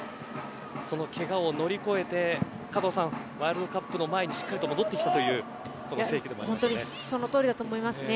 そのけがを乗り越えて加藤さんワールドカップの前にしっかりと戻ってきたという本当にそのとおりだと思いますね。